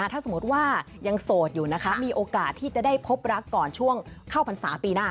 ถ้าสมมติว่ายังโสดอยู่นะคะมีโอกาสที่จะได้พบรักก่อนช่วงเข้าพรรษาปีหน้า